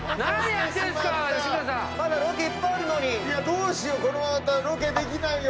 どうしようこのままだったらロケできないよ。